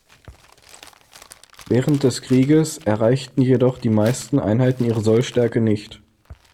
Während des Krieges erreichten jedoch die meisten Einheiten ihre Sollstärke nicht.